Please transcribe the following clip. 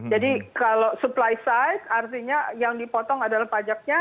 jadi kalau supply side artinya yang dipotong adalah pajaknya